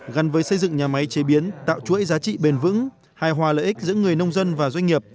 gắn với xây dựng nhà máy chế biến tạo chuỗi giá trị bền vững hài hòa lợi ích giữa người nông dân và doanh nghiệp